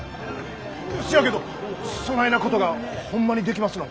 せやけどそないなことがホンマにできますのか？